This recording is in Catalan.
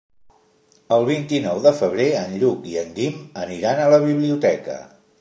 El vint-i-nou de febrer en Lluc i en Guim aniran a la biblioteca.